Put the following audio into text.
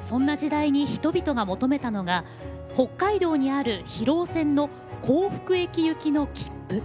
そんな時代に人々が求めたのが北海道にある広尾線の幸福駅行きの切符。